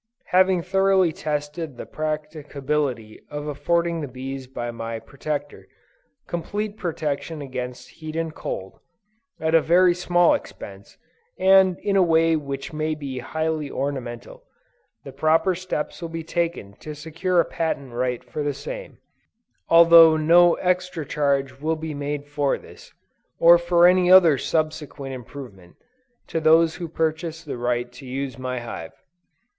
Having thoroughly tested the practicability of affording the bees by my Protector, complete protection against heat and cold, at a very small expense, and in a way which may be made highly ornamental, the proper steps will be taken to secure a patent right for the same; although no extra charge will be made for this, or for any other subsequent improvement, to those who purchase the right to use my hive.